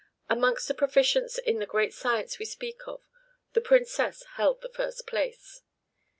Amongst the proficients in the great science we speak of, the Princess held the first place.